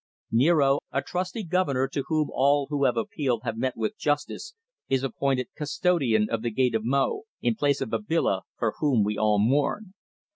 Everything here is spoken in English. Niaro, a trusty governor to whom all who have appealed have met with justice, is appointed Custodian of the Gate of Mo, in place of Babila, for whom we all mourn.